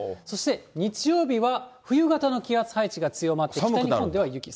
そして日曜日は、冬型の気圧配置が強まって、北日本では雪。